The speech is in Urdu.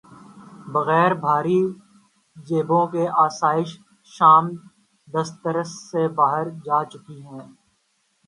بغیر بھاری جیبوں کے آسائش شام دسترس سے باہر جا چکی ہیں۔